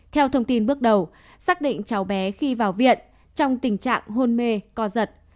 theo thông tin bước đầu xác định cháu bé khi vào viện trong tình trạng hôn mê co giật